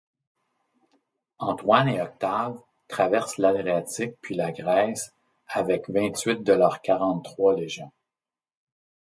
Antoine et Octave traversent l'Adriatique puis la Grèce avec vingt-huit de leurs quarante-trois légions.